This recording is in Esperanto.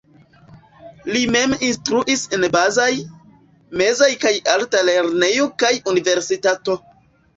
Li mem instruis en bazaj, mezaj kaj alta lernejoj kaj universitato.